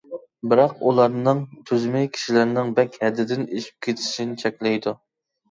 بىراق ئۇلارنىڭ تۈزۈمى كىشىلەرنىڭ بەك ھەدىدىن ئېشىپ كېتىشىنى چەكلەيدۇ.